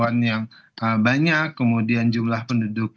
partai partai itu ini universalfounder